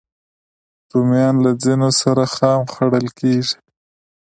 رومیان له ځینو سره خام خوړل کېږي